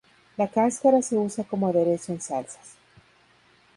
La cáscara se usa como aderezo en salsas.